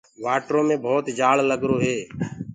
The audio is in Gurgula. وآٽرو مي ڀَوت جآلگرو هي۔